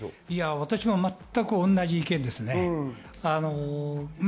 私も全く同じ意見です。